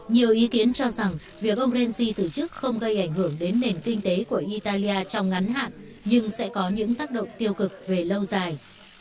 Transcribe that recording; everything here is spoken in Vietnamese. nhiều ý kiến cho rằng việc ông rensi từ chức không gây ảnh hưởng đến nền kinh tế của italia trong ngắn hạn nhưng sẽ có những tác động tiêu cực về lâu dài